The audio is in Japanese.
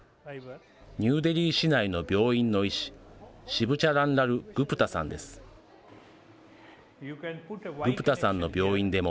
ニューデリー市内の病院の医師、シブチャランラル・グプタさんです。